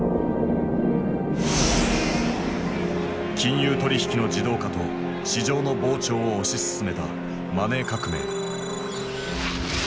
金融取引の自動化と市場の膨張を推し進めたマネー革命。